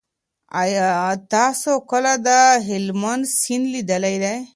آیا تاسو کله د هلمند سیند لیدلی دی؟